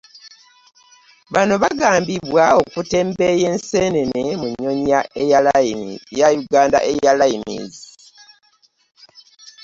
Bano bagambibwa okutembeeya enseenene mu nnyonyi ya Uganda Airlines